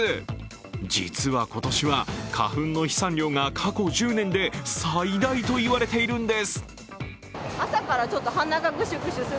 実は今年は花粉の飛散量が過去１０年で最大と言われているんです。